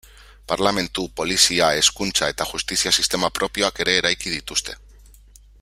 Parlementu, polizia, hezkuntza eta justizia sistema propioak ere eraiki dituzte.